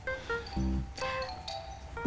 aku gak ada salah sama noni